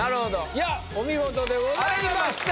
いやお見事でございました。